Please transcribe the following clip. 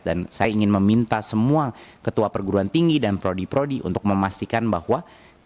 dan saya ingin meminta semua ketua perguruan tinggi dan prodi prodi untuk memastikan bahwa